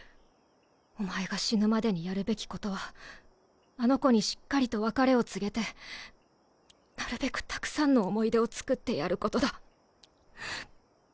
お前が死ぬまでにやるべきことはあの子にしっかりと別れを告げてなるべくたくさんの思い出をつくってやることだ。